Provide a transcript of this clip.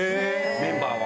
メンバーは。